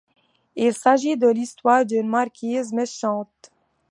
Il s'agit de l'histoire d'une marquise méchante.